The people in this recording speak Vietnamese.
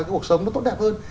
cái cuộc sống nó tốt đẹp hơn